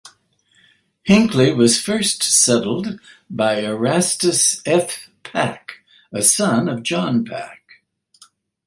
Hinckley was first settled by Erastus F. Pack, a son of John Pack.